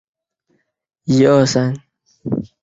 玉蟾记写明朝将军张经之子张昆与十二位美人的故事。